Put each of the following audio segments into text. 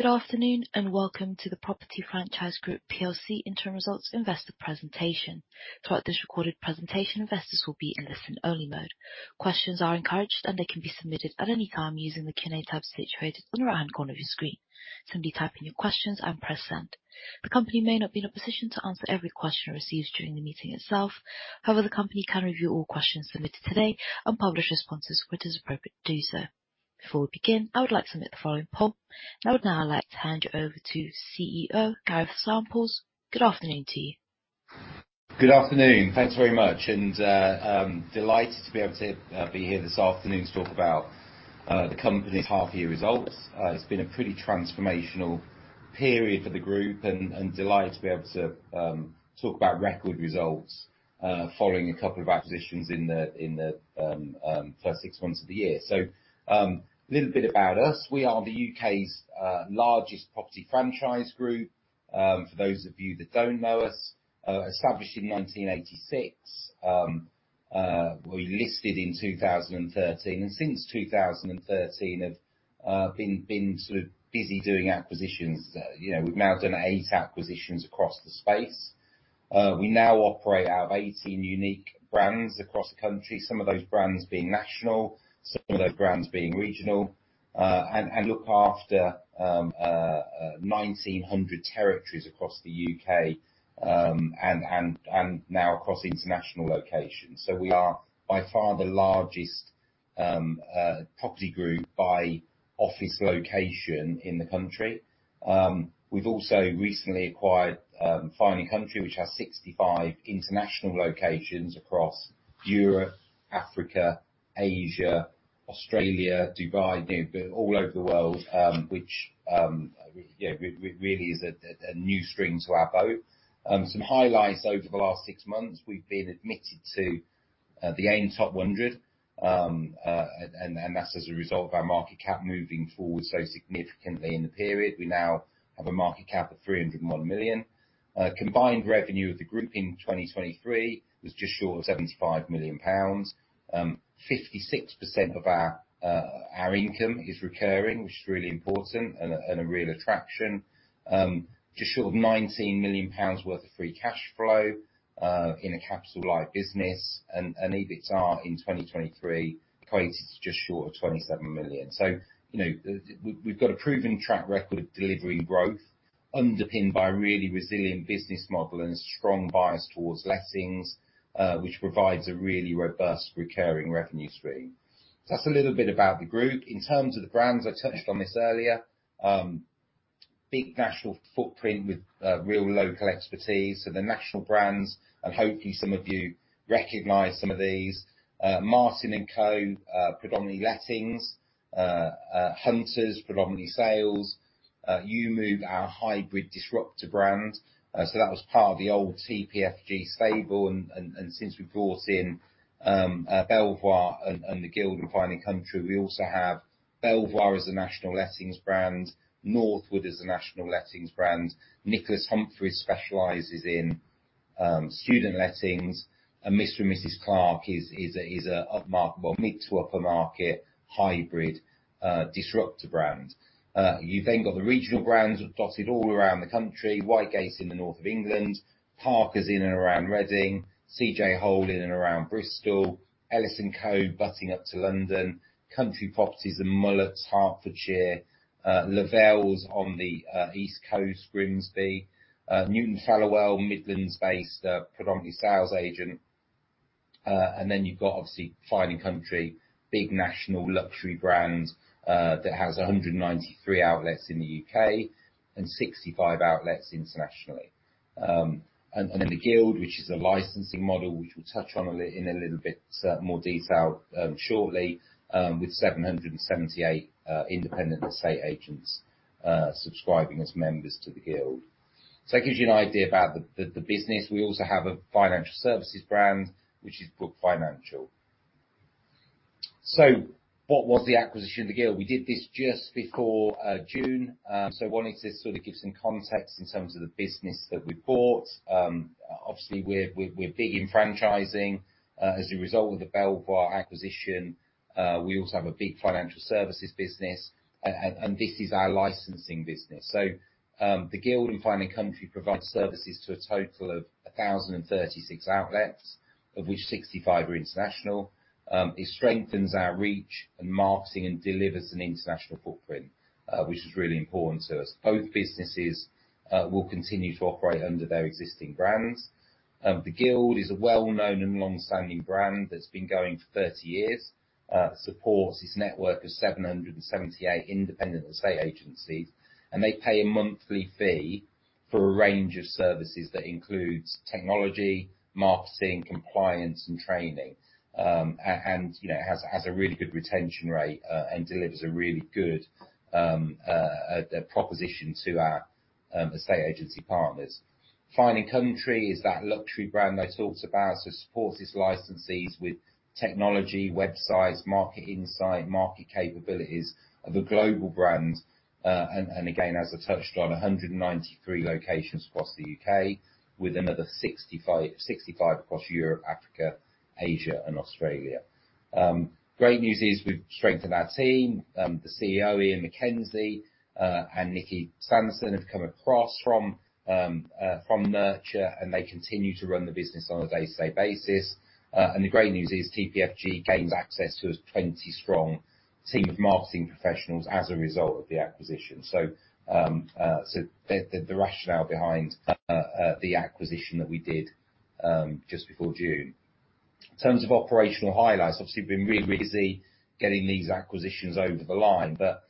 Good afternoon, and welcome to the Property Franchise Group PLC Interim Results Investor Presentation. Throughout this recorded presentation, investors will be in listen-only mode. Questions are encouraged, and they can be submitted at any time using the Q&A tab situated on the right-hand corner of your screen. Simply type in your questions and press send. The company may not be in a position to answer every question received during the meeting itself. However, the company can review all questions submitted today and publish responses where it is appropriate to do so. Before we begin, I would like to make the following poll. I would now like to hand you over to CEO Gareth Samples. Good afternoon to you. Good afternoon. Thanks very much, and delighted to be able to be here this afternoon to talk about the company's half-year results. It's been a pretty transformational period for the group and delighted to be able to talk about record results following a couple of acquisitions in the first six months of the year. A little bit about us. We are the U.K.'s largest property franchise group. For those of you that don't know us, established in 1986. We listed in 2013, and since 2013 have been sort of busy doing acquisitions. You know, we've now done eight acquisitions across the space. We now operate out of 18 unique brands across the country, some of those brands being national, some of those brands being regional, and look after 1,900 territories across the U.K., and now across international locations. So we are by far the largest property group by office location in the country. We've also recently acquired Fine & Country, which has 65 international locations across Europe, Africa, Asia, Australia, Dubai, you know, all over the world, which yeah, really is a new string to our bow. Some highlights over the last six months. We've been admitted to the AIM Top 100, and that's as a result of our market cap moving forward so significantly in the period. We now have a market cap of 301 million. Combined revenue of the group in 2023 was just short of 75 million pounds. 56% of our our income is recurring, which is really important and a real attraction. Just short of 19 million pounds worth of free cash flow in a capital light business, and EBITDA in 2023 equated to just short of 27 million. So, you know, we've got a proven track record of delivering growth underpinned by a really resilient business model and a strong bias towards lettings, which provides a really robust recurring revenue stream. So that's a little bit about the group. In terms of the brands, I touched on this earlier, big national footprint with real local expertise. So the national brands, and hopefully some of you recognize some of these, Martin & Co, predominantly lettings, Hunters, predominantly sales, EweMove, our hybrid disruptor brand. That was part of the old TPFG stable, and since we brought in Belvoir and The Guild and Fine & Country, we also have Belvoir as a national lettings brand, Northwood as a national lettings brand. Nicholas Humphreys specializes in student lettings, and Mr & Mrs Clarke is a upmarket, well, mid to upper market hybrid disruptor brand. You've then got the regional brands dotted all around the country, Whitegates in the North of England, Parkers in and around Reading, CJ Hole in and around Bristol, Ellis & Co, butting up to London, Country Properties and Mullucks, Hertfordshire, Lovelle on the East Coast, Grimsby, Newton Fallowell, Midlands-based, predominantly sales agent. And then you've got, obviously, Fine & Country, big national luxury brand, that has 193 outlets in the U.K. and 65 outlets internationally. And then The Guild, which is a licensing model, which we'll touch on in a little bit more detail shortly, with 778 independent estate agents subscribing as members to The Guild. So that gives you an idea about the business. We also have a financial services brand, which is Brook Financial. What was the acquisition of The Guild? We did this just before June. Wanting to sort of give some context in terms of the business that we bought. Obviously, we're big in franchising. As a result of the Belvoir acquisition, we also have a big financial services business, and this is our licensing business. The Guild and Fine & Country provide services to a total of 1,036 outlets, of which 65 are international. It strengthens our reach and marketing and delivers an international footprint, which is really important to us. Both businesses will continue to operate under their existing brands. The Guild is a well-known and long-standing brand that's been going for 30 years, supports this network of 778 independent estate agencies, and they pay a monthly fee for a range of services that includes technology, marketing, compliance, and training. You know, has a really good retention rate, and delivers a really good proposition to our estate agency partners. Fine & Country is that luxury brand I talked about, so it supports its licensees with technology, websites, market insight, market capabilities of a global brand. And again, as I touched on, 193 locations across the U.K., with another 65 across Europe, Africa, Asia, and Australia. Great news is, we've strengthened our team. The CEO, Ian Mackenzie, and Nicky Sanderson have come across from Nurtur, and they continue to run the business on a day-to-day basis, and the great news is TPFG gains access to a 20-strong team of marketing professionals as a result of the acquisition, so the rationale behind the acquisition that we did just before June. In terms of operational highlights, obviously, we've been really busy getting these acquisitions over the line, but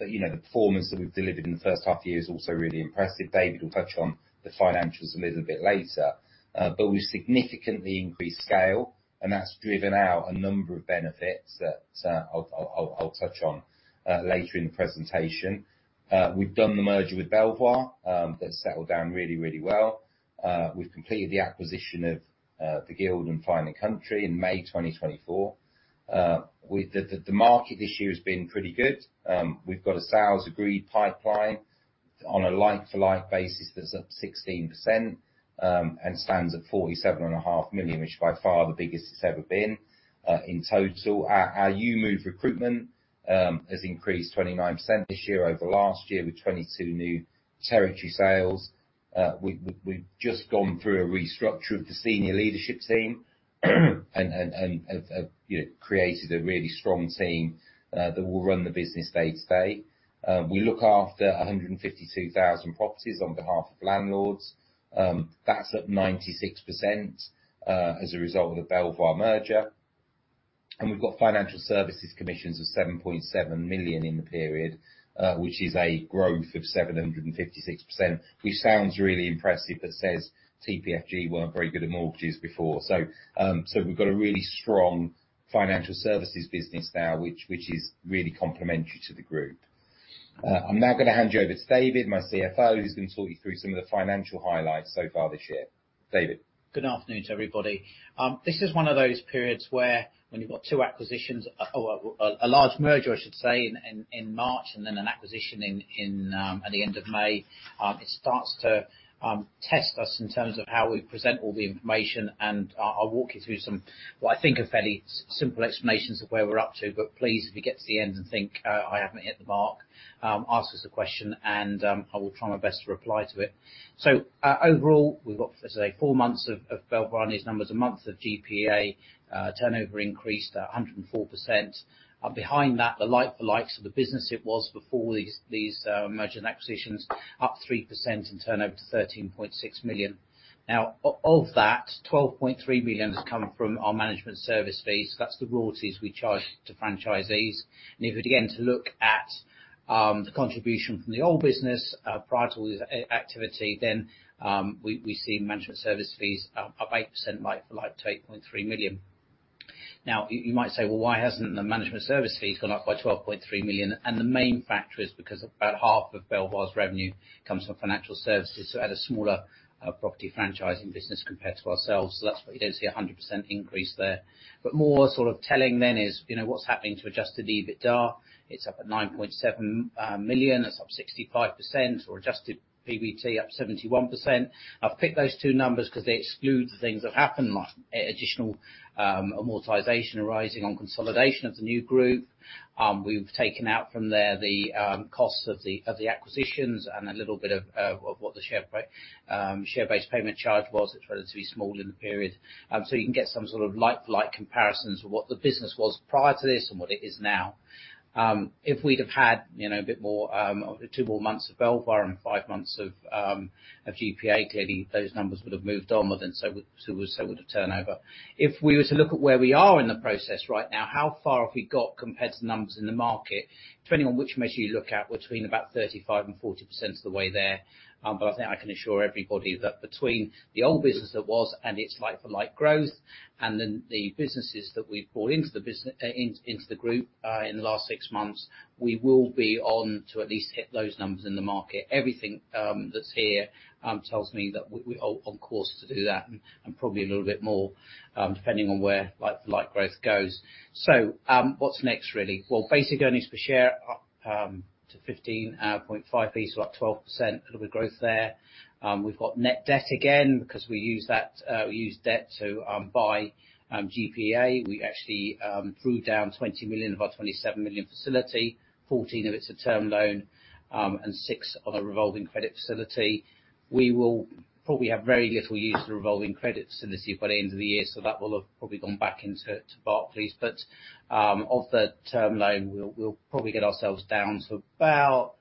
you know, the performance that we've delivered in the first half year is also really impressive. David will touch on the financials a little bit later, but we've significantly increased scale, and that's driven out a number of benefits that I'll touch on later in the presentation. We've done the merger with Belvoir. That's settled down really, really well. We've completed the acquisition of The Guild and Fine & Country in May 2024. The market this year has been pretty good. We've got a sales agreed pipeline on a like-for-like basis that's up 16%, and stands at 47.5 million, which is by far the biggest it's ever been, in total. Our EweMove recruitment has increased 29% this year over last year, with 22 new territory sales. We've just gone through a restructure of the senior leadership team and have, you know, created a really strong team that will run the business day-to-day. We look after 152,000 properties on behalf of landlords. That's at 96%, as a result of the Belvoir merger. And we've got financial services commissions of 7.7 million in the period, which is a growth of 756%, which sounds really impressive, but as TPFG weren't very good at mortgages before. So, we've got a really strong financial services business now, which is really complementary to the group. I'm now gonna hand you over to David, my CFO, who's going to talk you through some of the financial highlights so far this year. David? Good afternoon to everybody. This is one of those periods where when you've got two acquisitions, or a large merger, I should say, in March, and then an acquisition in at the end of May, it starts to test us in terms of how we present all the information. And I'll walk you through some, what I think are fairly simple explanations of where we're up to, but please, if you get to the end and think, I haven't hit the mark, ask us the question, and I will try my best to reply to it. So, overall, we've got, let's say, four months of Belvoir in these numbers, a month of GPEA, turnover increased 104%. Behind that, the like-for-likes of the business, it was before these merger and acquisitions, up 3% and turnover to 13.6 million. Now, of that, 12.3 million has come from our management service fees. That's the royalties we charge to franchisees. And if you were, again, to look at, the contribution from the old business, prior to all this activity, then, we, we've seen management service fees, up 8% like for like to 8.3 million. Now, you might say, "Well, why hasn't the management service fee gone up by 12.3 million?" And the main factor is because about half of Belvoir's revenue comes from financial services, so at a smaller, property franchising business compared to ourselves, so that's why you don't see a 100% increase there. But more sort of telling then is, you know, what's happening to adjusted EBITDA? It's up at £9.7 million. That's up 65%, or adjusted PBT, up 71%. I've picked those two numbers because they exclude the things that happened, like, additional amortization arising on consolidation of the new group. We've taken out from there the costs of the acquisitions and a little bit of what the share-based payment charge was. It's relatively small in the period. So you can get some sort of like-for-like comparisons of what the business was prior to this and what it is now. If we'd have had, you know, a bit more, two more months of Belvoir and five months of GPEA, clearly, those numbers would have moved on more than so would have turnover. If we were to look at where we are in the process right now, how far have we got compared to the numbers in the market? Depending on which measure you look at, between about 35% and 40% of the way there. But I think I can assure everybody that between the old business that was and its like-for-like growth, and then the businesses that we've brought into the group in the last six months, we will be on to at least hit those numbers in the market. Everything that's here tells me that we are on course to do that, and probably a little bit more, depending on where like-for-like growth goes. What's next, really? Basic earnings per share, up to 15.5p, so up 12%. A little bit of growth there. We've got net debt again, because we use that, we use debt to buy GPEA. We actually drew down 20 million of our 27 million facility, 14 of it's a term loan, and six on a revolving credit facility. We will probably have very little use for revolving credit facility by the end of the year, so that will have probably gone back into Barclays, but of the term loan, we'll probably get ourselves down to about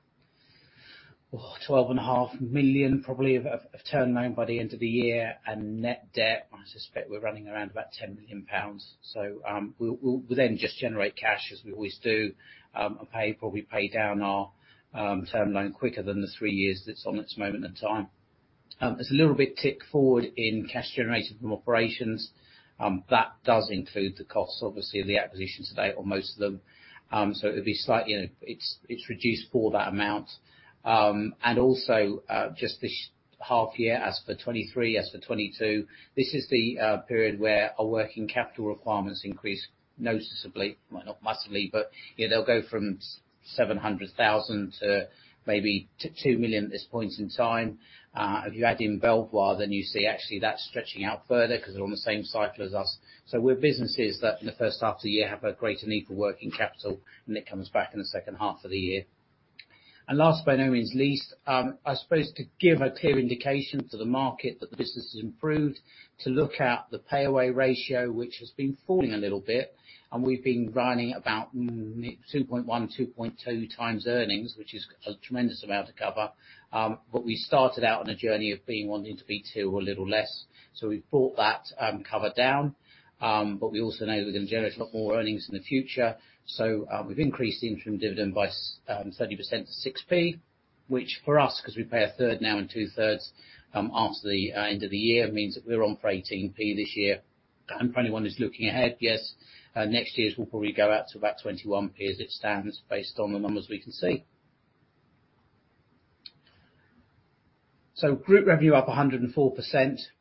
12.5 million, probably, of term loan by the end of the year, and net debt, I suspect we're running around about 10 million pounds. So we'll then just generate cash, as we always do, and pay probably pay down our term loan quicker than the three years that's on it at this moment in time. There's a little bit tick forward in cash generated from operations. That does include the costs, obviously, of the acquisitions today, or most of them. So it'll be slightly. You know, it's reduced for that amount. And also, just this half year, as for 2023, as for 2022, this is the period where our working capital requirements increase noticeably. Well, not massively, but, yeah, they'll go from 700,000 to maybe 2 million at this point in time. If you add in Belvoir, then you see actually that stretching out further, 'cause they're on the same cycle as us. So we're businesses that, in the first half of the year, have a greater need for working capital, and it comes back in the second half of the year. And last, by no means least, I suppose to give a clear indication to the market that the business has improved, to look at the payaway ratio, which has been falling a little bit, and we've been running about 2.1, 2.2x earnings, which is a tremendous amount to cover. But we started out on a journey of wanting to be 2, a little less, so we've brought that cover down, but we also know we're gonna generate a lot more earnings in the future. We've increased the interim dividend by 30% to 6p, which for us, 'cause we pay a third now and two thirds, after the end of the year, means that we're on for 18p this year. For anyone who's looking ahead, yes, next year's will probably go out to about 21p as it stands, based on the numbers we can see. Group revenue up 104%,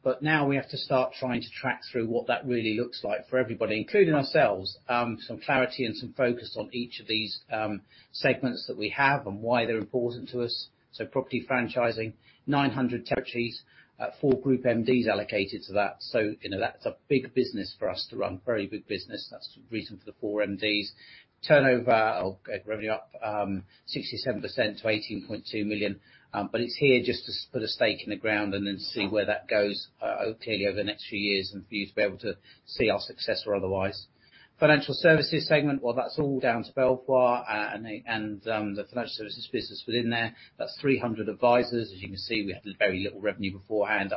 but now we have to start trying to track through what that really looks like for everybody, including ourselves. Some clarity and some focus on each of these segments that we have and why they're important to us. Property franchising, 900 territories, four group MDs allocated to that. You know, that's a big business for us to run, very big business. That's the reason for the four MDs. Turnover, or revenue up 67% to 18.2 million, but it's here just to put a stake in the ground and then see where that goes, clearly over the next few years, and for you to be able to see our success or otherwise. Financial services segment, well, that's all down to Belvoir, and the financial services business within there. That's 300 advisors. As you can see, we had very little revenue beforehand.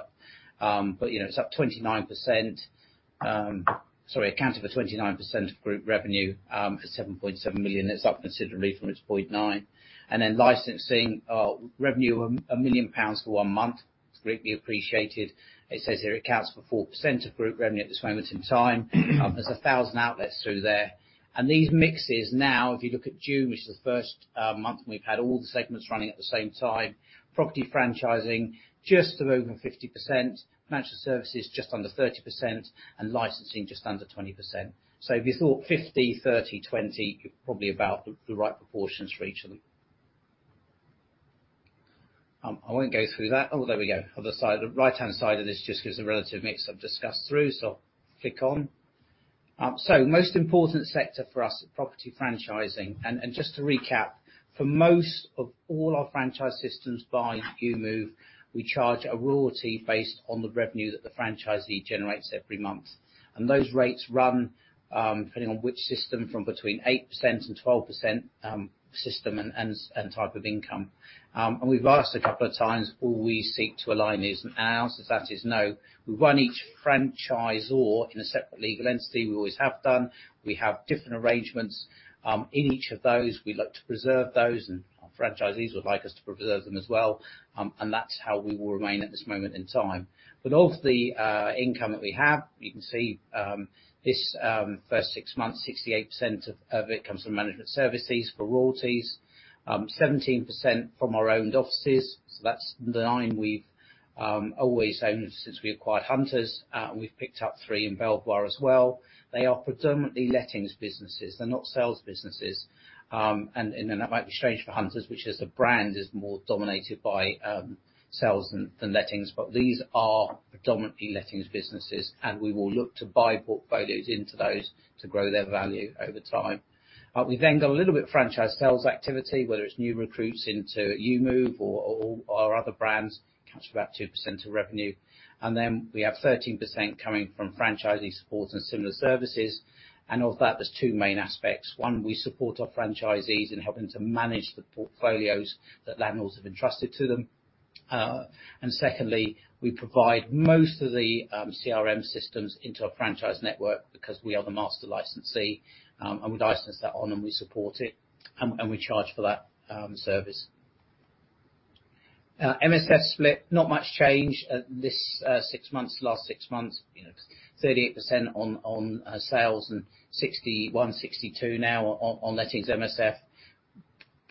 But, you know, it's up 29%. Sorry, accounted for 29% of group revenue, for 7.7 million. That's up considerably from its 0.9. And then licensing, revenue of 1 million for one month. It's greatly appreciated. It says here it accounts for 4% of group revenue at this moment in time. There's 1,000 outlets through there. These mixes now, if you look at June, which is the first month, and we've had all the segments running at the same time, property franchising just over 50%, financial services just under 30%, and licensing just under 20%. If you thought 50, 30, 20, probably about the right proportions for each of them. I won't go through that. The right-hand side of this just gives a relative mix I've discussed through, so click on. The most important sector for us is property franchising. Just to recap, for most of all our franchise systems, bar EweMove, we charge a royalty based on the revenue that the franchisee generates every month. And those rates run, depending on which system, from between 8% and 12%, system and type of income. And we've asked a couple of times: will we seek to align these? And our answer to that is no. We run each franchisor in a separate legal entity. We always have done. We have different arrangements in each of those. We look to preserve those, and our franchisees would like us to preserve them as well, and that's how we will remain at this moment in time. But of the income that we have, you can see this first six months 68% of it comes from management services for royalties, 17% from our owned offices, so that's the nine we've always owned since we acquired Hunters. We've picked up three in Belvoir as well. They are predominantly lettings businesses. They're not sales businesses, and that might be strange for Hunters, which as a brand is more dominated by sales than lettings. But these are predominantly lettings businesses, and we will look to buy portfolios into those to grow their value over time. We've then got a little bit of franchise sales activity, whether it's new recruits into EweMove or our other brands, accounts for about 2% of revenue. Then we have 13% coming from franchisee support and similar services. Of that, there are two main aspects. One, we support our franchisees in helping to manage the portfolios that landlords have entrusted to them. And secondly, we provide most of the CRM systems into our franchise network, because we are the master licensee, and we license that on, and we support it, and we charge for that service. MSF split, not much change at this six months, last six months. You know, 38% on sales and 61%-62% now on lettings MSF.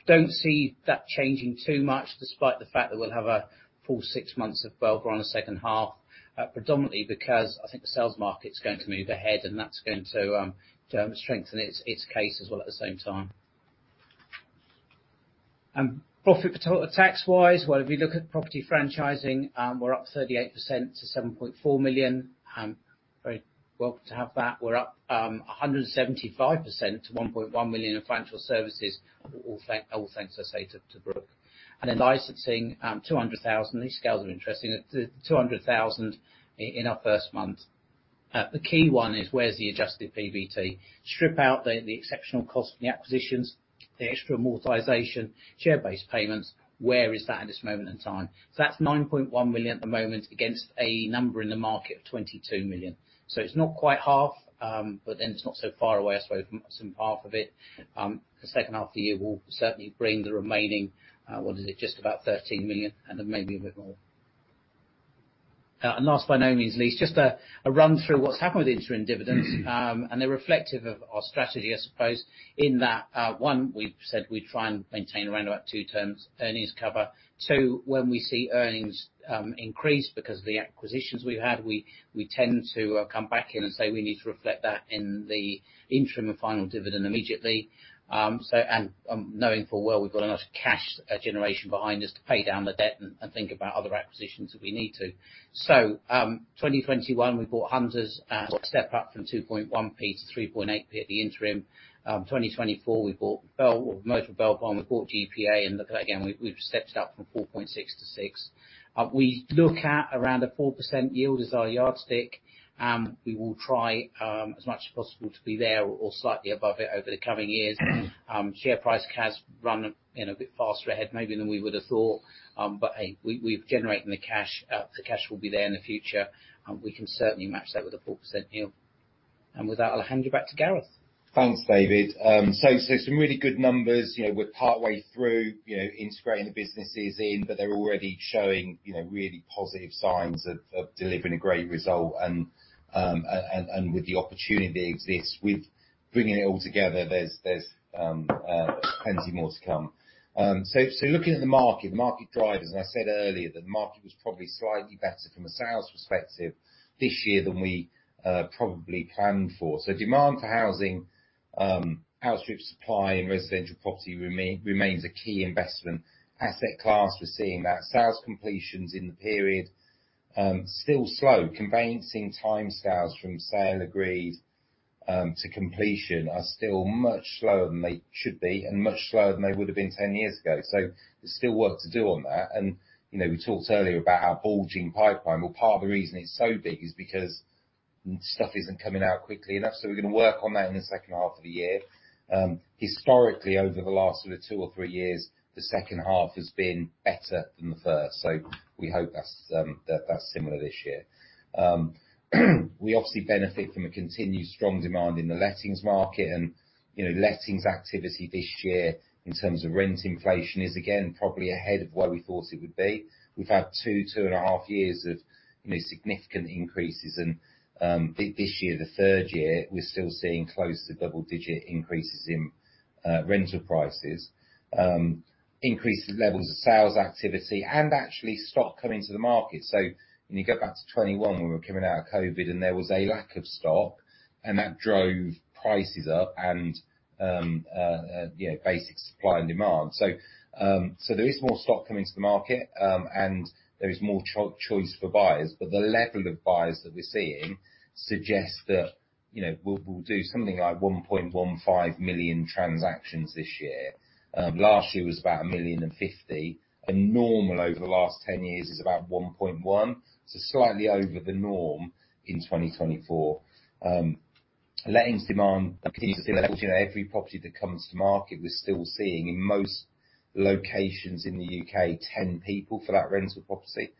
Don't see that changing too much, despite the fact that we'll have a full six months of Belvoir on the second half, predominantly because I think the sales market's going to move ahead, and that's going to strengthen its case as well, at the same time. And profit for total tax-wise, well, if you look at property franchising, we're up 38% to 7.4 million, very welcome to have that. We're up 175% to 1.1 million in financial services, all thanks, I say, to Brook. And in licensing, 200,000. These scales are interesting. The 200,000 in our first month. The key one is where's the adjusted PBT? Strip out the exceptional cost of the acquisitions, the extra amortization, share-based payments. Where is that at this moment in time? So that's 9.1 million at the moment, against a number in the market of 22 million. So it's not quite half, but then it's not so far away, I suppose, from some half of it. H2 of the year will certainly bring the remaining, what is it? Just about 13 million, and then maybe a bit more. Last by no means least, just a run through what's happened with the interim dividends, and they're reflective of our strategy, I suppose, in that, one, we've said we'd try and maintain around about two times earnings cover. Two, when we see earnings increase because of the acquisitions we've had, we tend to come back in and say we need to reflect that in the interim and final dividend immediately. Knowing full well, we've got enough cash generation behind us to pay down the debt and think about other acquisitions if we need to. 2021, we bought Hunters, step up from 2.1p to 3.8p at the interim. 2024, we bought Belvoir, we bought GPEA, and look at again, we've stepped it up from 4.6 to 6. We look at around a 4% yield as our yardstick. We will try, as much as possible, to be there or slightly above it over the coming years. Share price has run in a bit faster ahead maybe than we would have thought, but hey, we've generating the cash. The cash will be there in the future, and we can certainly match that with a 4% yield. With that, I'll hand you back to Gareth. Thanks, David. So some really good numbers. You know, we're partway through, you know, integrating the businesses in, but they're already showing, you know, really positive signs of delivering a great result. And with the opportunity that exists, with bringing it all together, there's plenty more to come. So looking at the market, the market drivers, and I said earlier that the market was probably slightly better from a sales perspective this year than we probably planned for. So demand for housing outstrip supply in residential property remains a key investment asset class. We're seeing that. Sales completions in the period still slow. Conveyancing timescales from sale agreed to completion are still much slower than they should be and much slower than they would have been 10 years ago. So there's still work to do on that. And, you know, we talked earlier about our bulging pipeline. Well, part of the reason it's so big is because stuff isn't coming out quickly enough, so we're going to work on that in the second half of the year. Historically, over the last sort of two or three years, H2 has been better than the first, so we hope that's similar this year. We obviously benefit from a continued strong demand in the lettings market and, you know, lettings activity this year, in terms of rent inflation, is again, probably ahead of where we thought it would be. We've had two and a half years of, you know, significant increases, and this year, the third year, we're still seeing close to double-digit increases in rental prices, increased levels of sales activity and actually stock coming to the market. So when you go back to 2021, we were coming out of COVID, and there was a lack of stock, and that drove prices up and you know, basic supply and demand. So so there is more stock coming to the market, and there is more choice for buyers, but the level of buyers that we're seeing suggests that, you know, we'll do something like 1.15 million transactions this year. Last year was about 1.05 million, and normal over the last ten years is about 1.1 million. Slightly over the norm in 2024. Lettings demand, you continue to see that every property that comes to market, we're still seeing in most locations in the U.K., ten people for that rental property.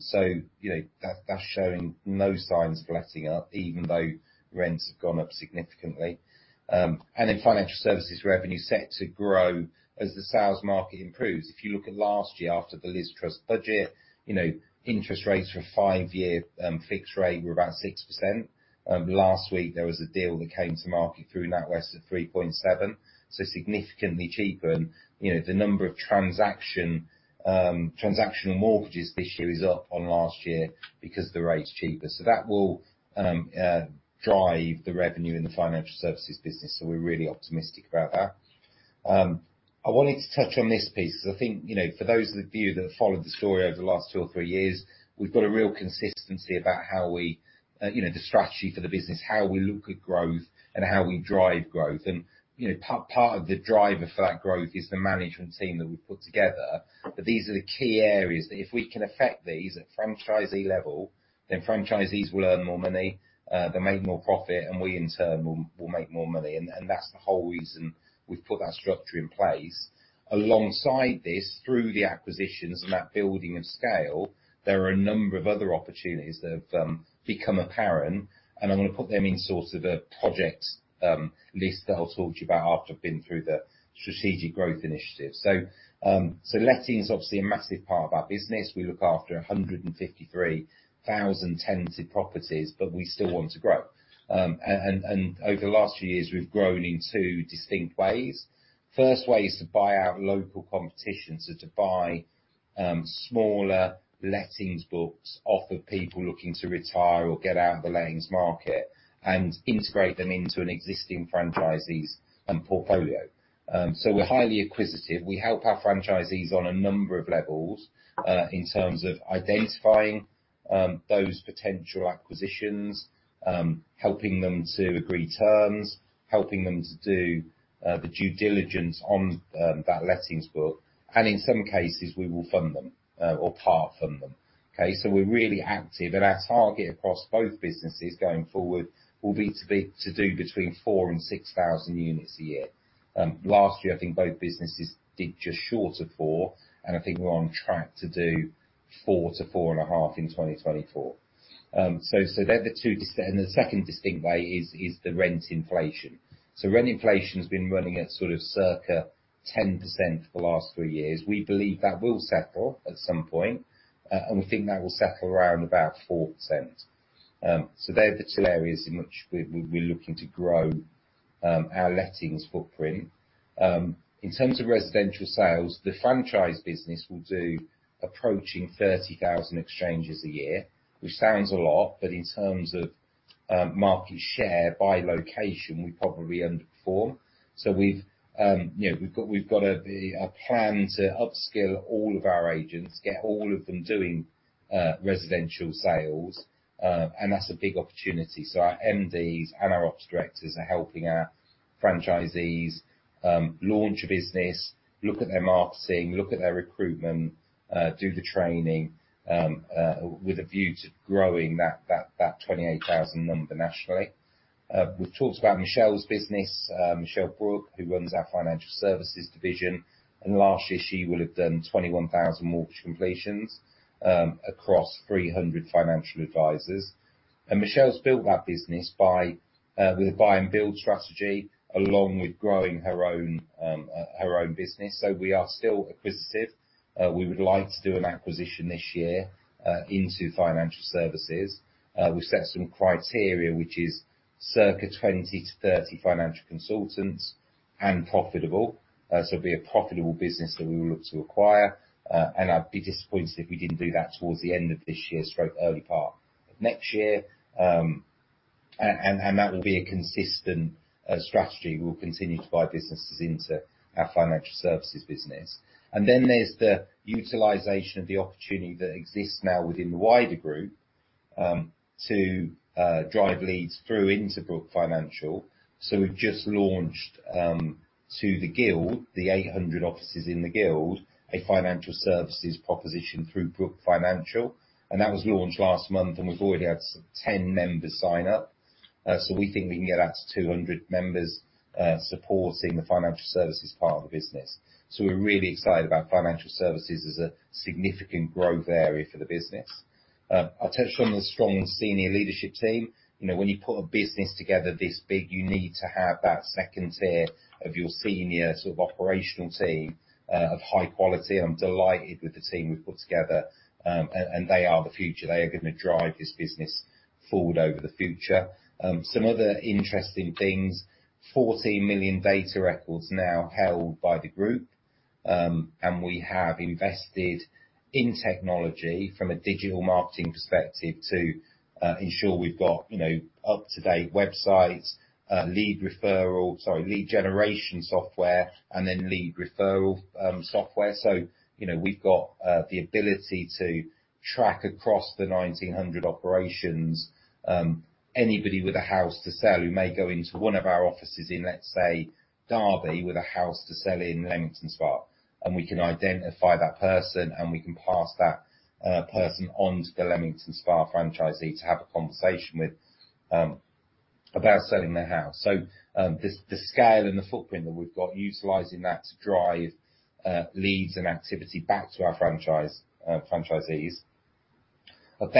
So, you know, that's showing no signs of letting up, even though rents have gone up significantly. In financial services, revenue set to grow as the sales market improves. If you look at last year after the Liz Truss budget, you know, interest rates for a five-year fixed rate were about 6%. Last week, there was a deal that came to market through NatWest at 3.7%, so significantly cheaper. You know, the number of transactional mortgages this year is up on last year because the rate's cheaper. So that will drive the revenue in the financial services business, so we're really optimistic about that. I wanted to touch on this piece because I think, you know, for those of you that have followed the story over the last two or three years, we've got a real consistency about how we you know, the strategy for the business, how we look at growth and how we drive growth. And, you know, part of the driver for that growth is the management team that we've put together. But these are the key areas that if we can affect these at franchisee level, then franchisees will earn more money, they'll make more profit, and we, in turn, will make more money. And that's the whole reason we've put that structure in place. Alongside this, through the acquisitions and that building of scale, there are a number of other opportunities that have become apparent, and I'm gonna put them in sort of a project list that I'll talk to you about after I've been through the strategic growth initiative. So, so lettings is obviously a massive part of our business. We look after 153,000 tenanted properties, but we still want to grow. And over the last few years, we've grown in two distinct ways. First way is to buy out local competition, so to buy smaller lettings books off of people looking to retire or get out of the lettings market and integrate them into an existing franchisees and portfolio. So we're highly acquisitive. We help our franchisees on a number of levels in terms of identifying those potential acquisitions, helping them to agree terms, helping them to do the due diligence on that lettings book, and in some cases, we will fund them or part fund them. Okay, so we're really active, and our target across both businesses going forward will be to do between 4,000 and 6,000 units a year. Last year, I think both businesses did just short of four, and I think we're on track to do four to four and a half in 2024. The second distinct way is the rent inflation. So rent inflation has been running at sort of circa 10% for the last three years. We believe that will settle at some point, and we think that will settle around about 4%. So they are the two areas in which we, we're looking to grow, our lettings footprint. In terms of residential sales, the franchise business will do approaching 30,000 exchanges a year, which sounds a lot, but in terms of, market share by location, we probably underperform. So we've, you know, we've got a plan to upskill all of our agents, get all of them doing, residential sales, and that's a big opportunity. So our MDs and our ops directors are helping our franchisees, launch a business, look at their marketing, look at their recruitment, do the training, with a view to growing that 28,000 number nationally. We've talked about Michelle's business, Michelle Brook, who runs our financial services division, and last year she will have done 21,000 mortgage completions across 300 financial advisors, and Michelle's built that business with a buy and build strategy, along with growing her own business. We are still acquisitive, so we would like to do an acquisition this year into financial services. We've set some criteria, which is circa 20-30 financial consultants and profitable, so it'll be a profitable business that we will look to acquire, and I'd be disappointed if we didn't do that towards the end of this year through early part of next year, and that will be a consistent strategy. We'll continue to buy businesses into our financial services business. And then there's the utilization of the opportunity that exists now within the wider group, to drive leads through into Brook Financial. So we've just launched, to The Guild, the 800 offices in the Guild, a financial services proposition through Brook Financial, and that was launched last month, and we've already had 10 members sign up. So we think we can get that to 200 members, supporting the financial services part of the business. So we're really excited about financial services as a significant growth area for the business. I touched on the strong senior leadership team. You know, when you put a business together this big, you need to have that second tier of your senior sort of operational team, of high quality. I'm delighted with the team we've put together, and they are the future. They are gonna drive this business forward over the future. Some other interesting things, 14 million data records now held by the group, and we have invested in technology from a digital marketing perspective to ensure we've got, you know, up-to-date websites, lead referrals, sorry, lead generation software, and then lead referral software, so you know, we've got the ability to track across the 1,900 operations, anybody with a house to sell, who may go into one of our offices in, let's say, Derby, with a house to sell in Leamington Spa, and we can identify that person, and we can pass that person on to the Leamington Spa franchisee to have a conversation with about selling their house. So, the scale and the footprint that we've got, utilizing that to drive leads and activity back to our franchise franchisees. A/B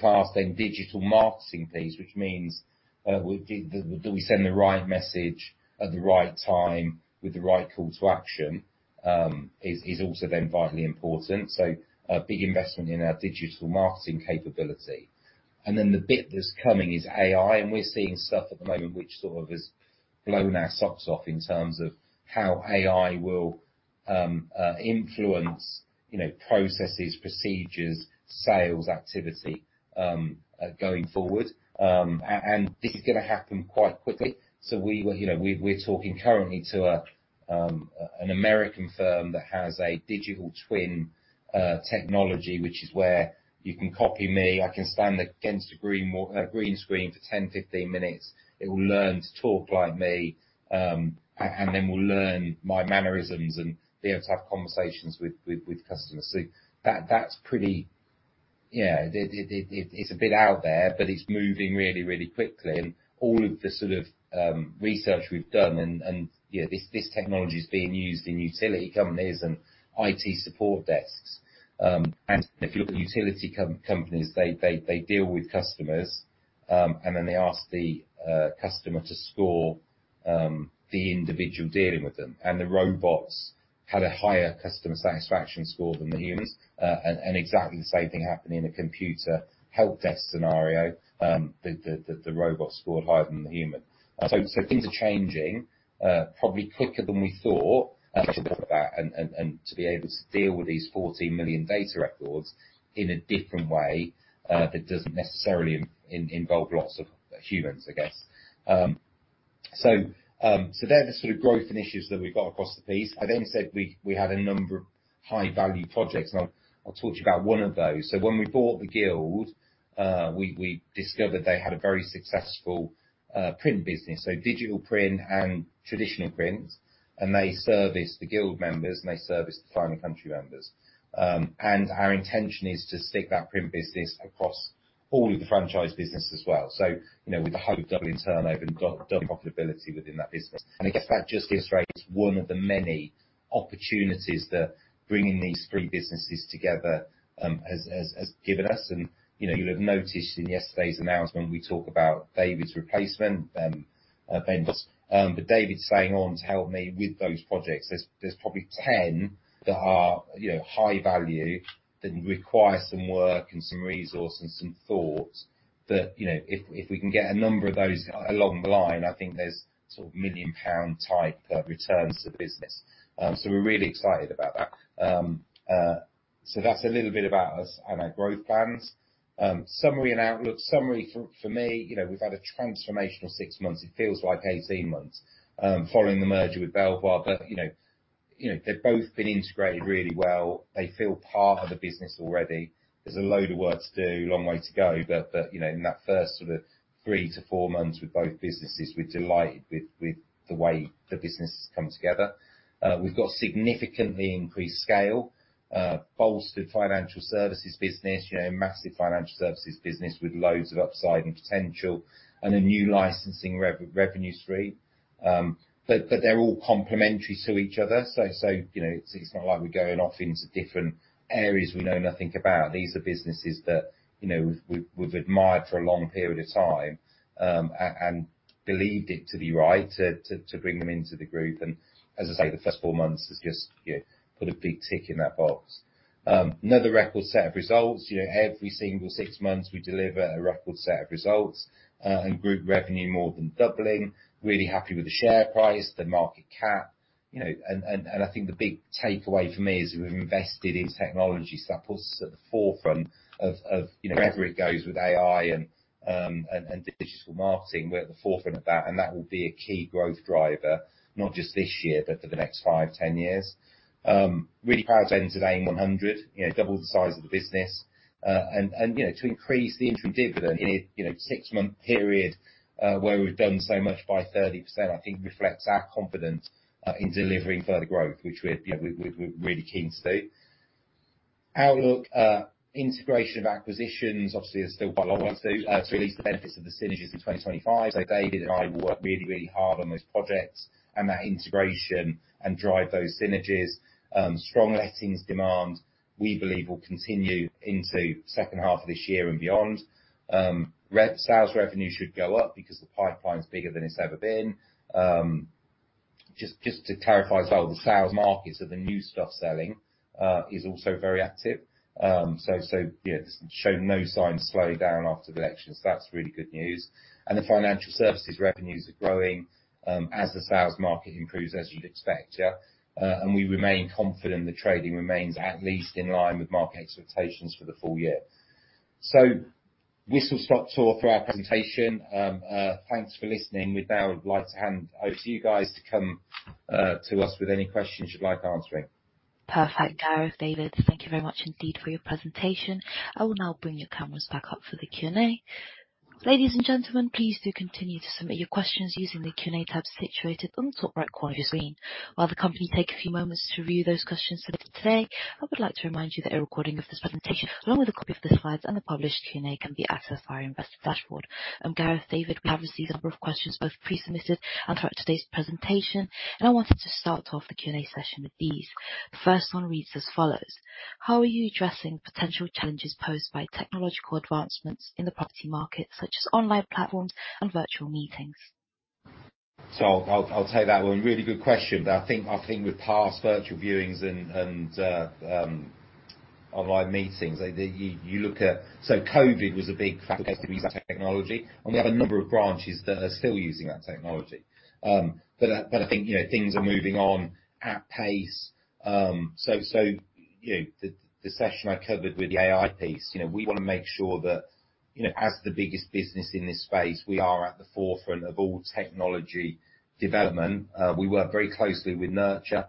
testing, the digital marketing piece, which means do we send the right message at the right time with the right call to action, is also then vitally important, so a big investment in our digital marketing capability. Then the bit that's coming is AI, and we're seeing stuff at the moment which sort of has blown our socks off in terms of how AI will influence, you know, processes, procedures, sales, activity going forward. This is gonna happen quite quickly. So we, you know, we're talking currently to an American firm that has a digital twin technology, which is where you can copy me. I can stand against a green wall, a green screen for 10, 15 minutes. It will learn to talk like me, and then will learn my mannerisms and be able to have conversations with customers. So that's pretty... Yeah, it's a bit out there, but it's moving really, really quickly. And all of the sort of research we've done and you know, this technology is being used in utility companies and IT support desks. And if you look at utility companies, they deal with customers, and then they ask the customer to score the individual dealing with them. And the robots had a higher customer satisfaction score than the humans. And exactly the same thing happened in a computer helpdesk scenario. The robot scored higher than the human, so things are changing probably quicker than we thought, and to be able to deal with these 14 million data records in a different way that doesn't necessarily involve lots of humans, I guess. So they're the sort of growth initiatives that we've got across the piece. I then said we had a number of high-value projects, and I'll talk to you about one of those. So when we bought The Guild, we discovered they had a very successful print business, so digital print and traditional print, and they service The Guild members, and they service the Fine & Country members. And our intention is to stick that print business across all of the franchise business as well. So, you know, with the hope of doubling turnover and doubling profitability within that business. I guess that just illustrates one of the many opportunities that bringing these three businesses together has given us, and, you know, you'll have noticed in yesterday's announcement, we talk about David's replacement, but David's staying on to help me with those projects. There's probably 10 that are, you know, high value, that require some work and some resource and some thought. You know, if we can get a number of those along the line, I think there's sort of £1 million type of returns to the business. So we're really excited about that. So that's a little bit about us and our growth plans. Summary and outlook. Summary for me, you know, we've had a transformational six months. It feels like 18 months following the merger with Belvoir, but you know, they've both been integrated really well. They feel part of the business already. There's a load of work to do, long way to go, but you know, in that first sort of three to four months with both businesses, we're delighted with the way the business has come together. We've got significantly increased scale, bolstered financial services business, you know, massive financial services business with loads of upside and potential, and a new licensing revenue stream. But they're all complementary to each other, so you know, it's not like we're going off into different areas we know nothing about. These are businesses that, you know, we've admired for a long period of time, and believed it to be right to bring them into the group. As I say, the first four months has just, you know, put a big tick in that box. Another record set of results. You know, every single six months, we deliver a record set of results, and group revenue more than doubling. Really happy with the share price, the market cap, you know, and I think the big takeaway for me is we've invested in technology, so that puts us at the forefront of, you know, wherever it goes with AI and digital marketing, we're at the forefront of that, and that will be a key growth driver, not just this year, but for the next five, 10 years. Really proud to enter today into the AIM Top 100, you know, double the size of the business, and, you know, to increase the interim dividend in a, you know, six-month period, where we've done so much by 30%, I think reflects our confidence in delivering further growth, which we're, you know, really keen to do. Outlook, integration of acquisitions, obviously, there's still quite a lot to do to release the benefits of the synergies in 2025. So David and I will work really, really hard on those projects and that integration and drive those synergies. Strong lettings demand, we believe, will continue into H2 of this year and beyond. Sales revenue should go up because the pipeline is bigger than it's ever been. Just to clarify as well, the sales markets of the new stuff selling is also very active, so yeah, it's shown no signs of slowing down after the elections, so that's really good news. The financial services revenues are growing as the sales market improves, as you'd expect, yeah, and we remain confident the trading remains at least in line with market expectations for the full year, so whistle-stop tour for our presentation. Thanks for listening. We'd now like to hand over to you guys to come to us with any questions you'd like answering. Perfect. Gareth, David, thank you very much indeed for your presentation. I will now bring your cameras back up for the Q&A. Ladies and gentlemen, please do continue to submit your questions using the Q&A tab situated on the top right corner of your screen. While the company take a few moments to review those questions for today, I would like to remind you that a recording of this presentation, along with a copy of the slides and the published Q&A, can be accessed via our Investor Dashboard. Gareth, David, we have received a number of questions, both pre-submitted and throughout today's presentation, and I wanted to start off the Q&A session with these. The first one reads as follows: How are you addressing potential challenges posed by technological advancements in the property market, such as online platforms and virtual meetings? So I'll take that one. Really good question. But I think with past virtual viewings and online meetings, you look at. So COVID was a big factor to use that technology, and we have a number of branches that are still using that technology. But I think, you know, things are moving on at pace. So, you know, the session I covered with the AI piece, you know, we want to make sure that, you know, as the biggest business in this space, we are at the forefront of all technology development. We work very closely with Nurture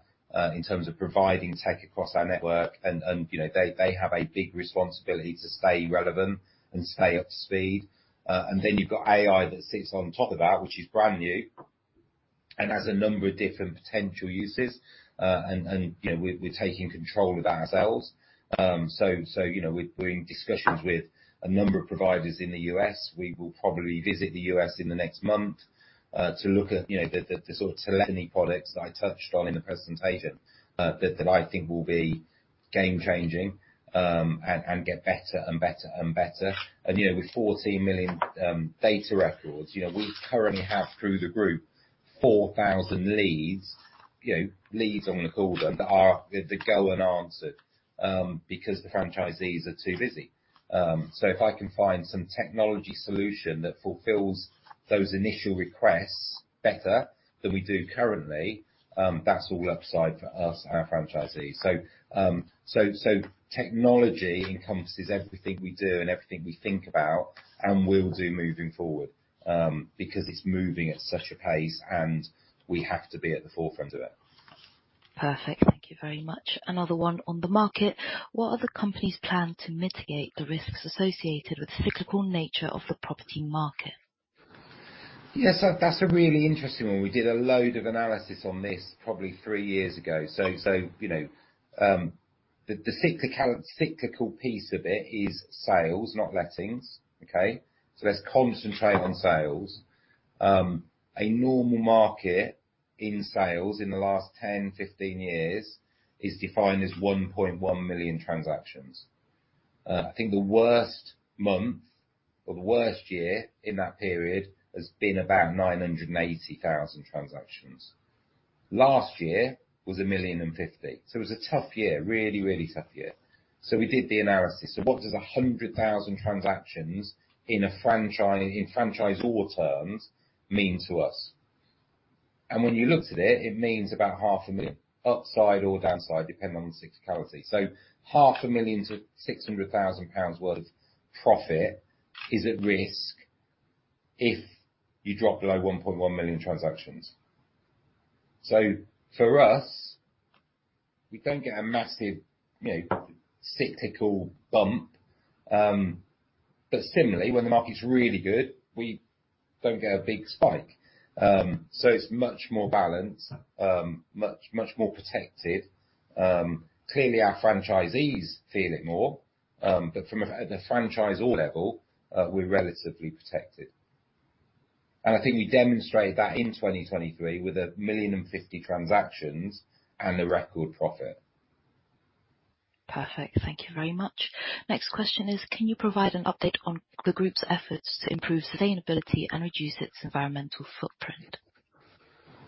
in terms of providing tech across our network, and, you know, they have a big responsibility to stay relevant and stay up to speed. And then you've got AI that sits on top of that, which is brand new and has a number of different potential uses, and you know, we're taking control of that ourselves. So you know, we're in discussions with a number of providers in the U.S. We will probably visit the U.S. in the next month to look at you know, the sort of telephony products that I touched on in the presentation that I think will be game changing and get better and better and better. And you know, with 14 million data records you know, we currently have through the group 4,000 leads you know, leads on the call then that go unanswered because the franchisees are too busy. So if I can find some technology solution that fulfills those initial requests better than we do currently, that's all upside for us and our franchisees. So technology encompasses everything we do and everything we think about and will do moving forward, because it's moving at such a pace, and we have to be at the forefront of it. Perfect. Thank you very much. Another one on the market: What are the company's plan to mitigate the risks associated with the cyclical nature of the property market? Yes, so that's a really interesting one. We did a load of analysis on this probably three years ago. You know, the cyclical piece of it is sales, not lettings, okay? So let's concentrate on sales. A normal market in sales in the last 10, 15 years is defined as 1.1 million transactions. I think the worst month or the worst year in that period has been about 980,000 transactions. Last year was 1.05 million, so it was a tough year. Really, really tough year. So we did the analysis. So what does 100,000 transactions in franchisor terms mean to us? And when you looked at it, it means about 500,000, upside or downside, depending on the cyclicality. So 500,000- 600,000 worth of profit is at risk if you drop below 1.1 million transactions. So for us, we don't get a massive, you know, cyclical bump. But similarly, when the market's really good, we don't get a big spike. So it's much more balanced, much, much more protected. Clearly, our franchisees feel it more, but from the franchisor level, we're relatively protected. And I think we demonstrated that in 2023, with 1,050 transactions and a record profit. Perfect. Thank you very much. Next question is: Can you provide an update on the group's efforts to improve sustainability and reduce its environmental footprint?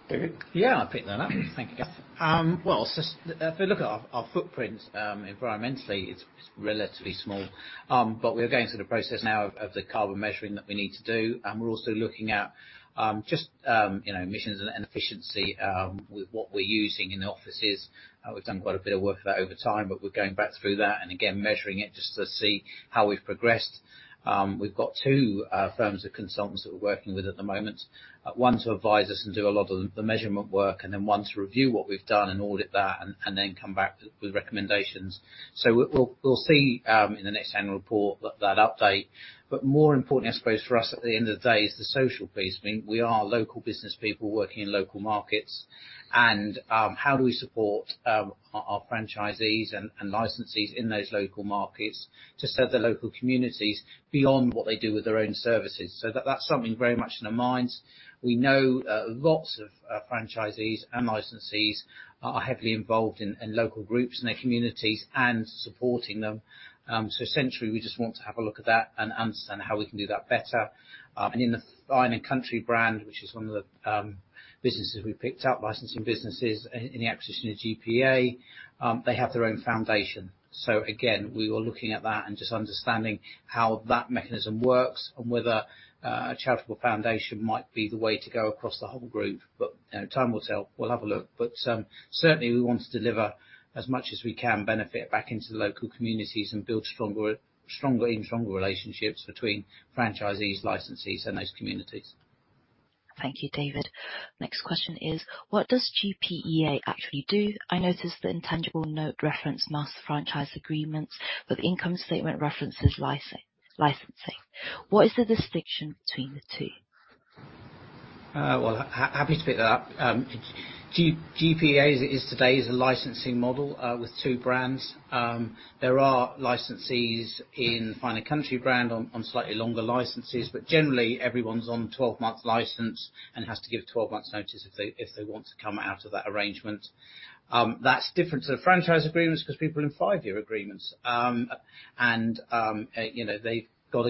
David? Yeah, I'll pick that up. Thank you. Well, so if we look at our footprint environmentally, it's relatively small. But we are going through the process now of the carbon measuring that we need to do, and we're also looking at just you know emissions and efficiency with what we're using in the offices. We've done quite a bit of work with that over time, but we're going back through that and again measuring it just to see how we've progressed. We've got two firms of consultants that we're working with at the moment, one to advise us and do a lot of the measurement work, and then one to review what we've done and audit that, and then come back with recommendations. So we'll see in the next annual report that update. But more importantly, I suppose for us, at the end of the day, is the social piece. I mean, we are local business people working in local markets, and how do we support our franchisees and licensees in those local markets to serve their local communities beyond what they do with their own services? So that's something very much in our minds. We know lots of franchisees and licensees are heavily involved in local groups and their communities and supporting them. So essentially, we just want to have a look at that and understand how we can do that better. In the Fine & Country brand, which is one of the businesses we picked up, licensing businesses in the acquisition of GPEA, they have their own foundation. So again, we were looking at that and just understanding how that mechanism works and whether a charitable foundation might be the way to go across the whole group. But, you know, time will tell. We'll have a look, but certainly we want to deliver as much as we can, benefit back into the local communities and build stronger, stronger, even stronger relationships between franchisees, licensees, and those communities. Thank you, David. Next question is: What does GPEA actually do? I noticed the intangible note referenced master franchise agreements, but the income statement references licensing. What is the distinction between the two? Happy to pick that up. GPEA, as it is today, is a licensing model with two brands. There are licensees in Fine & Country brand on slightly longer licenses, but generally, everyone's on 12-month license and has to give 12 months notice if they want to come out of that arrangement. That's different to the franchise agreements, 'cause people are in 5-year agreements. You know,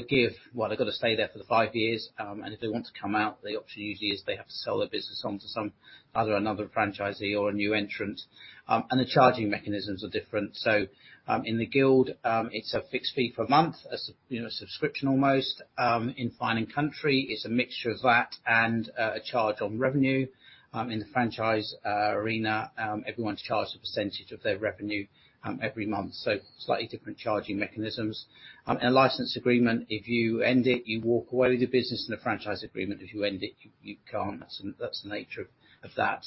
they've got to stay there for the five years, and if they want to come out, the option usually is they have to sell their business on to some other franchisee or a new entrant. And the charging mechanisms are different, so in The Guild, it's a fixed fee per month, a sub, you know, a subscription almost. In Fine & Country, it's a mixture of that and a charge on revenue. In the franchise arena, everyone's charged a percentage of their revenue every month, so slightly different charging mechanisms. A license agreement, if you end it, you walk away with your business. In a franchise agreement, if you end it, you can't. That's the nature of that.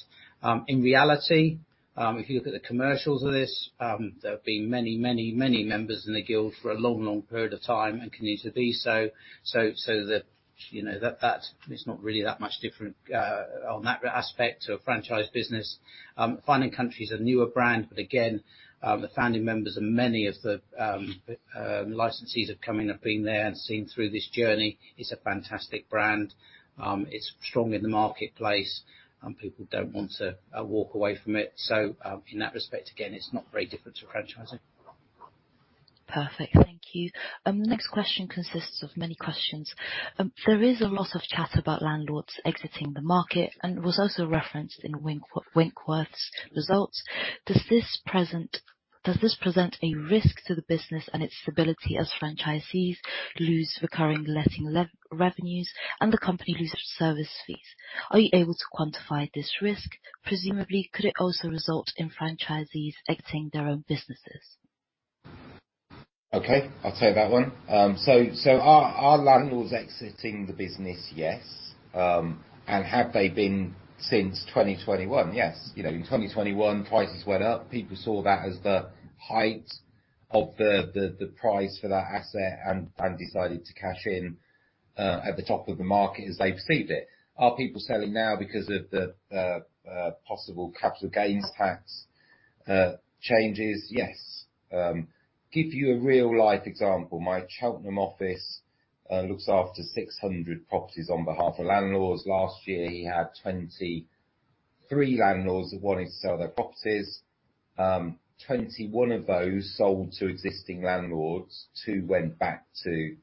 In reality, if you look at the commercials of this, there have been many members in The Guild for a long period of time and continue to be so, so that, you know, that is not really that much different on that aspect to a franchise business. Fine & Country is a newer brand, but again, the founding members and many of the licensees have been there and seen through this journey. It's a fantastic brand. It's strong in the marketplace, and people don't want to walk away from it, so in that respect, again, it's not very different to franchising. Perfect. Thank you. The next question consists of many questions. There is a lot of chat about landlords exiting the market and was also referenced in Winkworth's results. Does this present a risk to the business and its stability as franchisees lose recurring letting revenues and the company lose service fees? Are you able to quantify this risk? Presumably, could it also result in franchisees exiting their own businesses? Okay, I'll tell you about one. So are landlords exiting the business? Yes. And have they been since 2021? Yes. You know, in 2021, prices went up. People saw that as the height of the price for that asset and decided to cash in at the top of the market as they perceived it. Are people selling now because of the possible Capital Gains Tax changes? Yes. Give you a real-life example. My Cheltenham office looks after 600 properties on behalf of landlords. Last year, he had 23 landlords that wanted to sell their properties. 21 of those sold to existing landlords, 2 went back to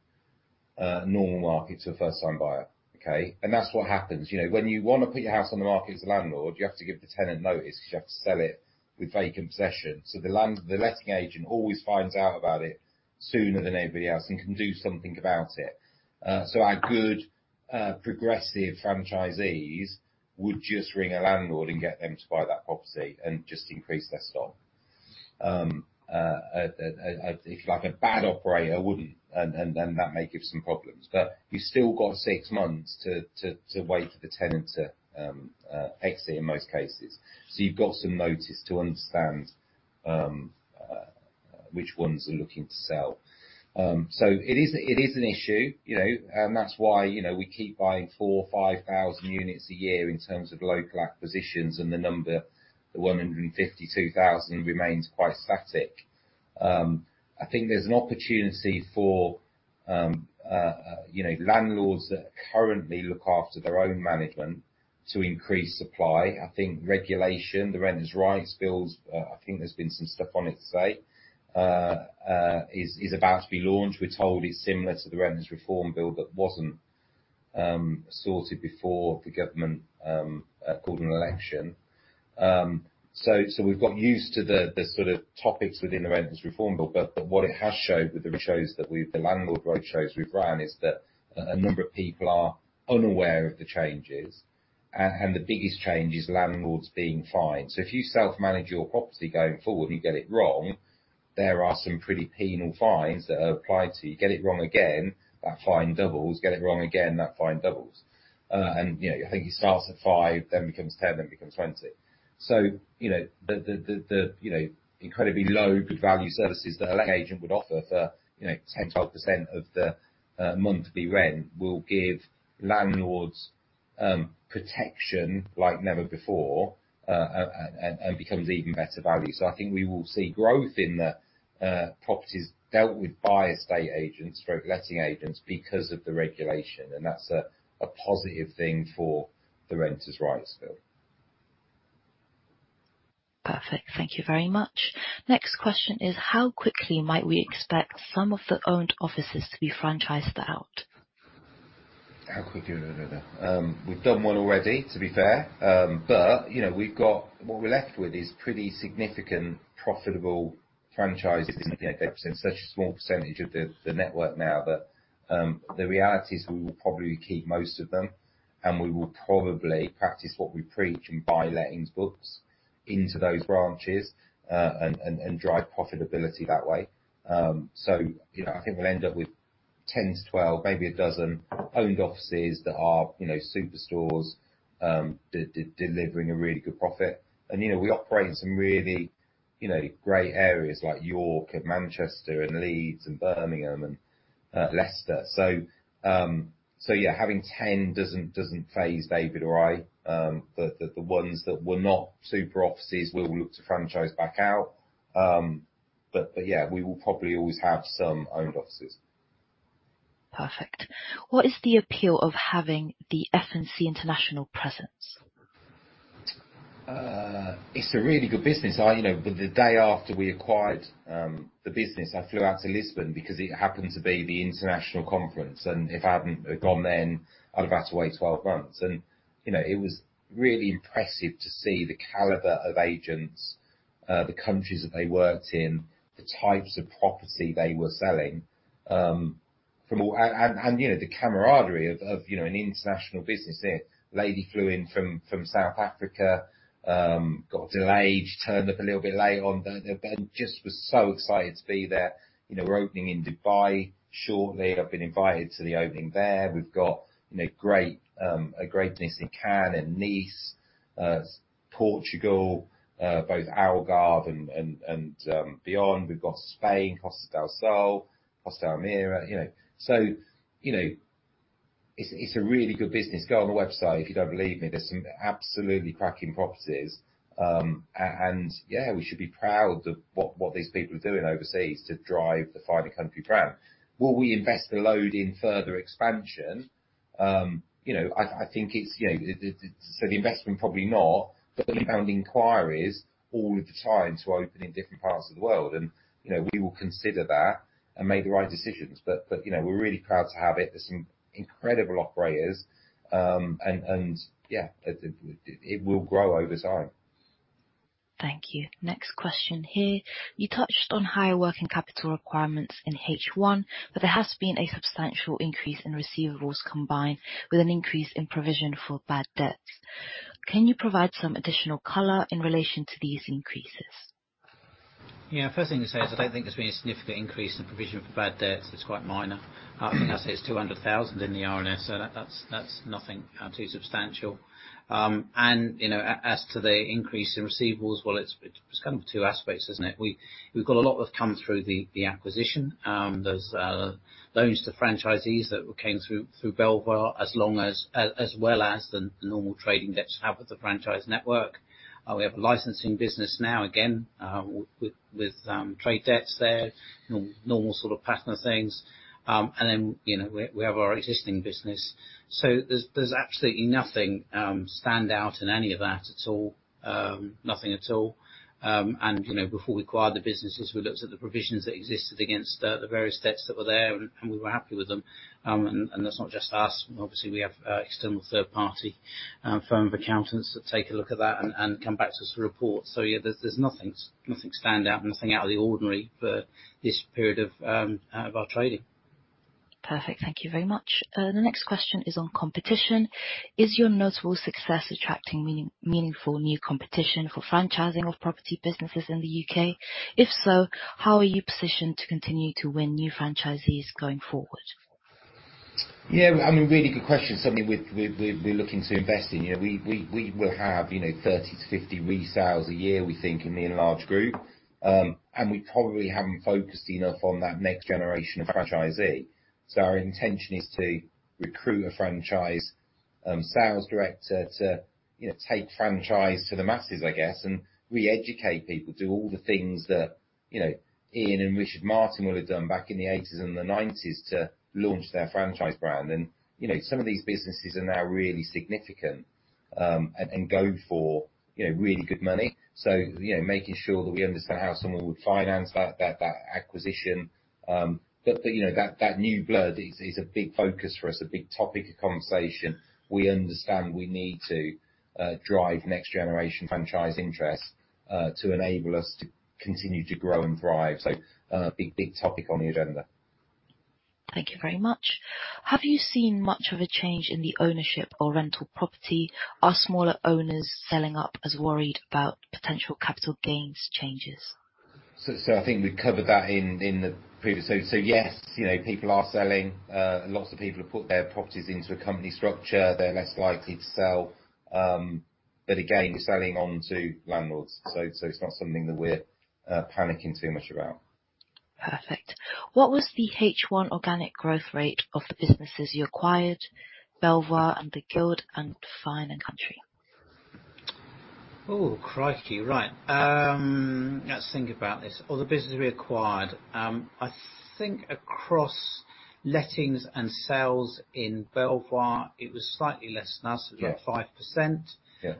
normal market to a first-time buyer, okay? And that's what happens. You know, when you want to put your house on the market as a landlord, you have to give the tenant notice because you have to sell it with vacant possession. So the letting agent always finds out about it sooner than anybody else and can do something about it. So our good, progressive franchisees would just ring a landlord and get them to buy that property and just increase their stock. If, like, a bad operator wouldn't, and that may give some problems, but you've still got six months to wait for the tenant to exit, in most cases. So you've got some notice to understand which ones are looking to sell. So it is an issue, you know, and that's why, you know, we keep buying 4,000 or 5,000 units a year in terms of local acquisitions, and the number, the 152,000, remains quite static. I think there's an opportunity for, you know, landlords that currently look after their own management to increase supply. I think regulation, the Renters' Rights Bill, I think there's been some stuff on it today, is about to be launched. We're told it's similar to the Renters' Reform Bill that wasn't sorted before the government called an election. We've got used to the sort of topics within the Renters' Reform Bill, but what it has showed, with the landlord roadshows we've run, is that a number of people are unaware of the changes, and the biggest change is landlords being fined. If you self-manage your property going forward, and you get it wrong, there are some pretty penal fines that are applied to you. Get it wrong again, that fine doubles. Get it wrong again, that fine doubles, and you know, I think it starts at five, then becomes 10, then becomes 20. So, you know, the incredibly low, good value services that a letting agent would offer for, you know, 10%, 12% of the monthly rent will give landlords protection like never before, and becomes even better value. So I think we will see growth in the properties dealt with by estate agents, or letting agents, because of the regulation, and that's a positive thing for the Renters' Rights Bill. Perfect. Thank you very much. Next question is: How quickly might we expect some of the owned offices to be franchised out? How quickly? We've done one already, to be fair. But, you know, we've got what we're left with is pretty significant profitable franchises, and, you know, they represent such a small percentage of the network now. But the reality is we will probably keep most of them, and we will probably practice what we preach and buy lettings books into those branches and drive profitability that way. So, you know, I think we'll end up with 10 to 12, maybe a dozen, owned offices that are, you know, superstores delivering a really good profit. And, you know, we operate in some really, you know, great areas like York and Manchester and Leeds and Birmingham and Leicester. So, yeah, having 10 doesn't faze David or I. The ones that were not super offices, we'll look to franchise back out. But yeah, we will probably always have some owned offices. Perfect. What is the appeal of having the F&C international presence? It's a really good business, you know. But the day after we acquired the business, I flew out to Lisbon because it happened to be the international conference, and if I hadn't have gone then, I'd have had to wait 12 months. And, you know, it was really impressive to see the caliber of agents, the countries that they worked in, the types of property they were selling, from and, you know, the camaraderie of, you know, an international business there. Lady flew in from South Africa, got delayed, she turned up a little bit late on the, but just was so excited to be there. You know, we're opening in Dubai shortly. I've been invited to the opening there. We've got, you know, great, a great business in Cannes and Nice, Portugal, both Algarve and beyond. We've got Spain, Costa del Sol, Costa Almeria. You know, so, you know, it's a really good business. Go on the website if you don't believe me. There's some absolutely cracking properties. Yeah, we should be proud of what these people are doing overseas to drive the Fine & Country brand. Will we invest a load in further expansion? You know, I think it's, you know. So the investment, probably not, but we found inquiries all of the time to open in different parts of the world, and, you know, we will consider that and make the right decisions. But, you know, we're really proud to have it. There's some incredible operators, and it will grow over time. Thank you. Next question here: You touched on higher working capital requirements in H1, but there has been a substantial increase in receivables combined with an increase in provision for bad debts. Can you provide some additional color in relation to these increases? Yeah, first thing to say is I don't think there's been a significant increase in provision for bad debts. It's quite minor. As I say, it's 200,000 in the RNS, so that's nothing too substantial, and you know, as to the increase in receivables, well, it's kind of two aspects, isn't it? We've got a lot that's come through the acquisition. There's loans to franchisees that came through Belvoir, as well as the normal trading debts you have with the franchise network. We have a licensing business now again with trade debts there, normal sort of partner things, and then you know, we have our existing business. So there's absolutely nothing stand out in any of that at all, nothing at all. And you know, before we acquired the businesses, we looked at the provisions that existed against the various debts that were there, and we were happy with them. And that's not just us. Obviously, we have external third-party firm of accountants that take a look at that and come back to us with a report. So yeah, there's nothing, nothing stand out, nothing out of the ordinary for this period of our trading. Perfect. Thank you very much. The next question is on competition. Is your notable success attracting meaningful new competition for franchising of property businesses in the U.K.? If so, how are you positioned to continue to win new franchisees going forward? Yeah, I mean, really good question. Something we're looking to invest in. You know, we will have, you know, 30-50 resales a year, we think, in the enlarged group. And we probably haven't focused enough on that next generation of franchisee. So our intention is to recruit a franchise sales director to, you know, take franchise to the masses, I guess, and re-educate people, do all the things that, you know, Ian and Richard Martin would have done back in the 1980s and the 1990s to launch their franchise brand. And, you know, some of these businesses are now really significant, and go for, you know, really good money. So, you know, making sure that we understand how someone would finance that acquisition, you know, that new blood is a big focus for us, a big topic of conversation. We understand we need to drive next generation franchise interest to enable us to continue to grow and thrive. So, big topic on the agenda. Thank you very much. Have you seen much of a change in the ownership or rental property? Are smaller owners selling up as worried about potential capital gains changes? So I think we've covered that in the previous. So yes, you know, people are selling. Lots of people have put their properties into a company structure. They're less likely to sell. But again, we're selling on to landlords, so it's not something that we're panicking too much about. Perfect. What was the H1 organic growth rate of the businesses you acquired, Belvoir and The Guild and Fine & Country? Oh, crikey! Right. Let's think about this. All the business we acquired, I think across lettings and sales in Belvoir, it was slightly less than us- Yeah. - about 5%. Yeah.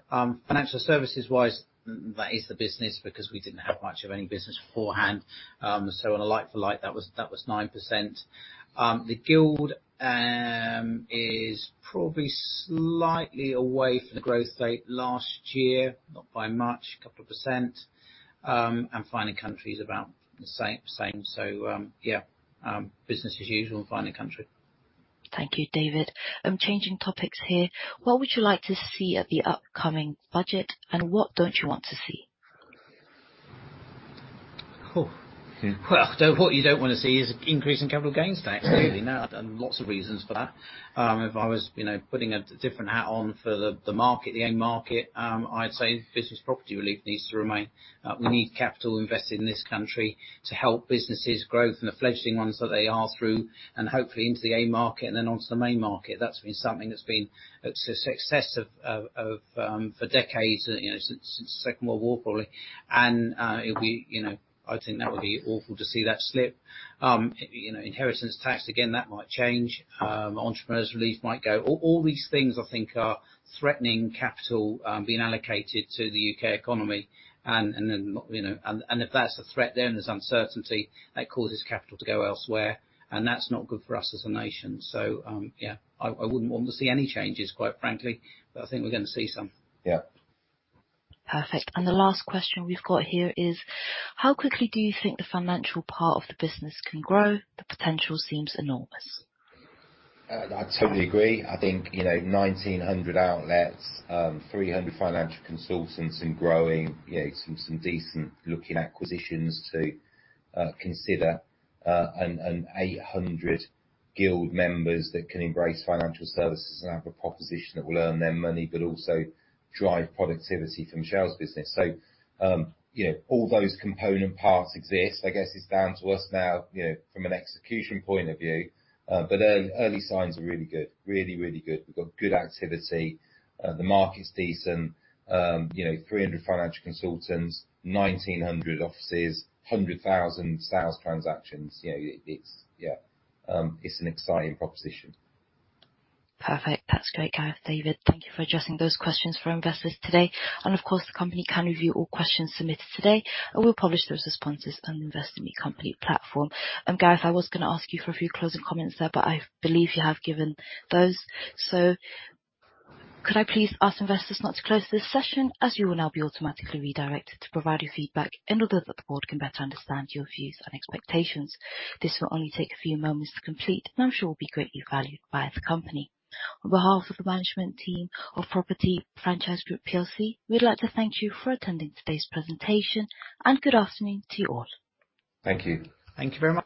Financial services-wise, that is the business, because we didn't have much of any business beforehand. So on a like-for-like, that was 9%. The Guild is probably slightly away from the growth rate last year, not by much, a couple of percent. And Fine & Country is about the same, same. So, yeah, business as usual in Fine & Country. Thank you, David. I'm changing topics here. What would you like to see at the upcoming budget, and what don't you want to see? Oh. Yeah. What you don't want to see is an increase in Capital Gains Tax, really. Now, and lots of reasons for that. If I was, you know, putting a different hat on for the market, the end market, I'd say Business Property Relief needs to remain. We need capital invested in this country to help businesses grow from the fledgling ones that they are through, and hopefully into the AIM market and then onto the main market. That's been something that's been a success for decades, you know, since the Second World War, probably, and it'll be. You know, I think that would be awful to see that slip. You know, Inheritance Tax, again, that might change. Entrepreneurs' Relief might go. All these things, I think, are threatening capital being allocated to the U.K. economy. You know, if that's a threat, then there's uncertainty that causes capital to go elsewhere, and that's not good for us as a nation. Yeah, I wouldn't want to see any changes, quite frankly, but I think we're going to see some. Yeah. Perfect. And the last question we've got here is: How quickly do you think the financial part of the business can grow? The potential seems enormous. I totally agree. I think, you know, 1900 outlets, 300 financial consultants, and growing, you know, some decent-looking acquisitions to consider, and 800 Guild members that can embrace financial services and have a proposition that will earn them money but also drive productivity from sales business. So, yeah, all those component parts exist. I guess it's down to us now, you know, from an execution point of view, but early signs are really good. Really, really good. We've got good activity, the market's decent, you know, 300 financial consultants, 1900 offices, 100,000 sales transactions. You know, it, it's... Yeah, it's an exciting proposition. Perfect. That's great, Gareth, David. Thank you for addressing those questions for our investors today, and of course, the company can review all questions submitted today, and we'll publish those responses on Investor Meet Company platform. Gareth, I was going to ask you for a few closing comments there, but I believe you have given those, so could I please ask investors not to close this session, as you will now be automatically redirected to provide your feedback in order that the board can better understand your views and expectations. This will only take a few moments to complete, and I'm sure will be greatly valued by the company. On behalf of the management team of Property Franchise Group PLC, we'd like to thank you for attending today's presentation, and good afternoon to you all. Thank you. Thank you very much.